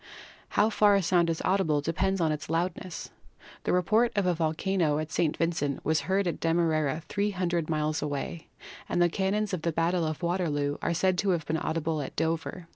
How far a sound is audible depends upon its loudness. The report of a volcano at St. Vincent was heard at Demerara, 300 miles away, and the cannons of the battle of Waterloo are said to have been audible at Dover.